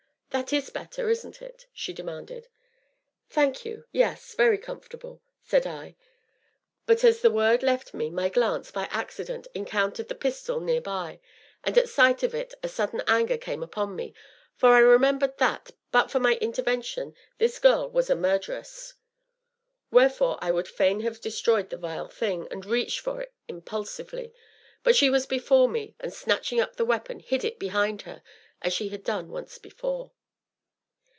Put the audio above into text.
"That is better, isn't it?" she demanded. "Thank you yes, very comfortable!" said I. But, as the word left me, my glance, by accident, encountered the pistol near by, and at sight of it a sudden anger came upon me, for I remembered that, but for my intervention, this girl was a murderess; wherefore, I would fain have destroyed the vile thing, and reached for it impulsively, but she was before me, and snatching up the weapon, hid it behind her as she had done once before.